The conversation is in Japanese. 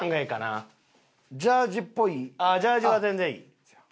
ああジャージは全然いい。